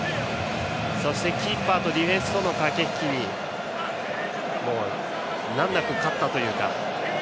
そして、キーパーとディフェンスとの駆け引きにもう、難なく勝ったというか。